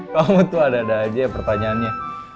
kamu tuh ada ada aja ya pertanyaannya